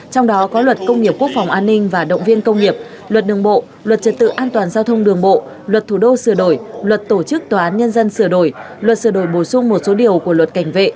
trong đó có luật công nghiệp quốc phòng an ninh và động viên công nghiệp luật đường bộ luật trật tự an toàn giao thông đường bộ luật thủ đô sửa đổi luật tổ chức tòa án nhân dân sửa đổi luật sửa đổi bổ sung một số điều của luật cảnh vệ